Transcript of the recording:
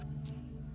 pak pak pak